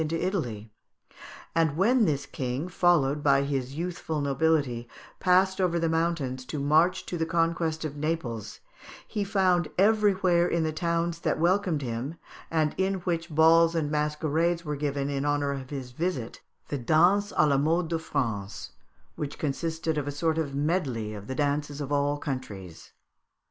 into Italy: and when this king, followed by his youthful nobility, passed over the mountains to march to the conquest of Naples, he found everywhere in the towns that welcomed him, and in which balls and masquerades were given in honour of his visit, the dance à la mode de France, which consisted of a sort of medley of the dances of all countries.